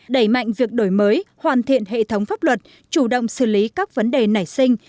đẩy mạnh việc đổi mới hoàn thiện hệ thống pháp luật chủ động xử lý các vấn đề nảy sinh